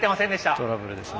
トラブルですね。